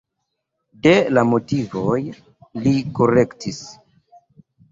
De la motivoj li korektis.